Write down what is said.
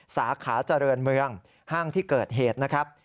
สาขาเจริญเมืองห้างที่เกิดเหตุนะครับ